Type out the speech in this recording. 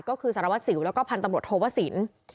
ก็คือสารวัสสิวแล้วก็พันธุ์ตำรวจโทวสิน